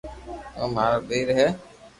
او مارو ٻئير ھي